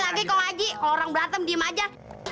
oh lagi kalau aji kalau orang berantem diem aja